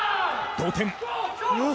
同点。